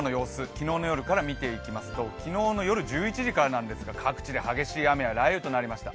昨日の夜から見ていきますと、昨日の夜１１時からなんですが、各地で激しい雨や雷雨となりました。